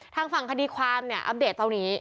ทางฝั่งคดีความอัปเดตตอนนี้